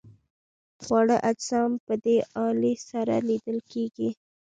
واړه اجسام په دې الې سره لیدل کیږي.